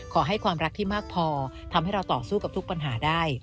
ขอให้ความรักที่มากพอทำให้เราต่อสู้กับทุกปัญหาได้